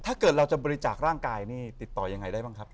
ถ้าเกิดเราจะบริจาคร่างกายนี่ติดต่อยังไงได้บ้างครับ